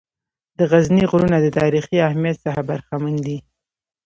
د غزني غرونه د تاریخي اهمیّت څخه برخمن دي.